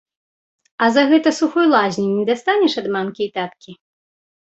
А за гэта сухой лазні не дастанеш ад мамкі і таткі?